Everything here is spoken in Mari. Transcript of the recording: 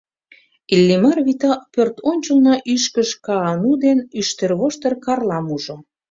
Иллимар вӱта пӧрт ончылно Ӱшкыж-Каану ден Ӱштервоштыр-Карлам ужо.